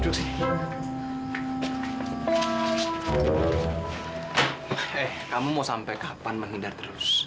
eh kamu mau sampai kapan menghindar terus